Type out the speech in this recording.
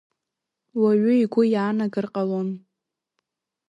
Уаҩы игәы иаанагар ҟалон…